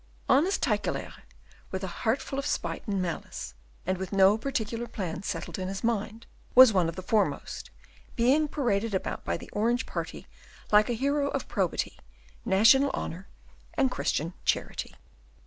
Honest Tyckelaer, with a heart full of spite and malice, and with no particular plan settled in his mind, was one of the foremost, being paraded about by the Orange party like a hero of probity, national honour, and Christian charity.